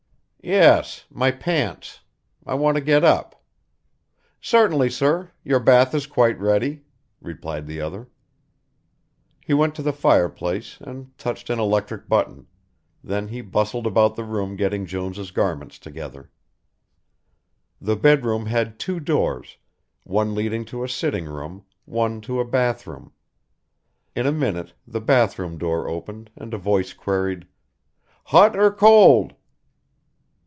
"Yes my pants. I want to get up." "Certainly, sir, your bath is quite ready," replied the other. He went to the fire place and touched an electric button, then he bustled about the room getting Jones' garments together. The bed room had two doors, one leading to a sitting room, one to a bath room; in a minute the bath room door opened and a voice queried, "Hot or cold?"